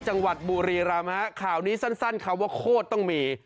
จังหวัดบุรีรำฮะข่าวนี้สั้นคำว่าโคตรต้องมี